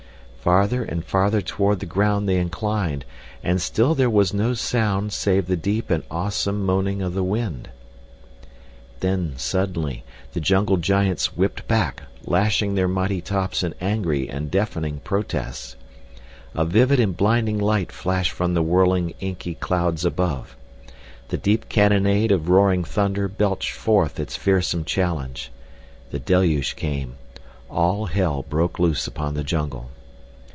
Farther and farther toward the ground they inclined, and still there was no sound save the deep and awesome moaning of the wind. Then, suddenly, the jungle giants whipped back, lashing their mighty tops in angry and deafening protest. A vivid and blinding light flashed from the whirling, inky clouds above. The deep cannonade of roaring thunder belched forth its fearsome challenge. The deluge came—all hell broke loose upon the jungle.